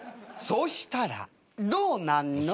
「そうしたらどうなんの？」